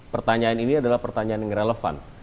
pertanyaan ini adalah pertanyaan yang relevan